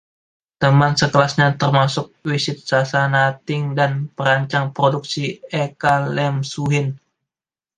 Teman sekelasnya termasuk Wisit Sasanatieng dan perancang produksi Ek Iemchuen.